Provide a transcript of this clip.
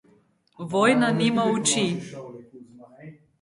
Vojna nima oči.